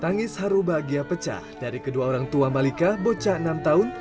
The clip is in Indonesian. tangis haru bahagia pecah dari kedua orang tua malika bocah enam tahun